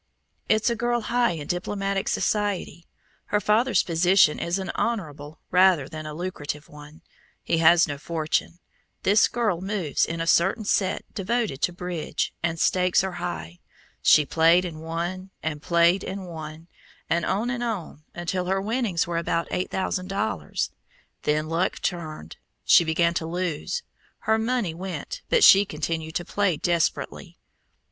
"It's a girl high in diplomatic society. Her father's position is an honorable rather than a lucrative one; he has no fortune. This girl moves in a certain set devoted to bridge, and stakes are high. She played and won, and played and won, and on and on, until her winnings were about eight thousand dollars. Then luck turned. She began to lose. Her money went, but she continued to play desperately.